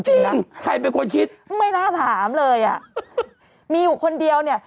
จริงใครเป็นคนคิดไม่น่าถามเลยอ่ะมีอยู่คนเดียวเนี่ย